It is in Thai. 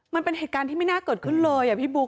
มันเป็นเหตุการณ์ที่ไม่น่าเกิดขึ้นเลยอ่ะพี่บุ๊